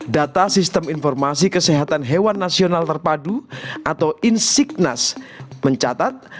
data sistem informasi kesehatan hewan nasional terpadu atau insignas mencatat